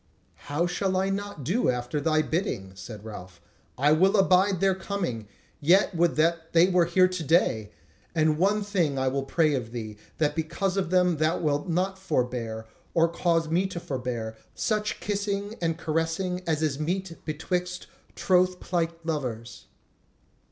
"How shall I not do after thy bidding?" said Ralph. "I will abide their coming: yet would that they were here to day! And one thing I will pray of thee, that because of them thou wilt not forbear, or cause me to forbear, such kissing and caressing as is meet betwixt troth plight lovers."